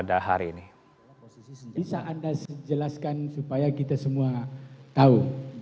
bisa anda jelaskan supaya kita semua tahu